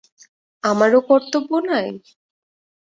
আমারও কর্তব্য নাই?